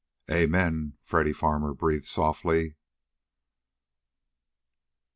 "Amen!" Freddy Farmer breathed softly.